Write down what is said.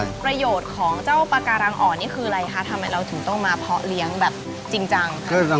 ไปดูกันค่ะว่าหน้าตาของเจ้าปาการังอ่อนนั้นจะเป็นแบบไหน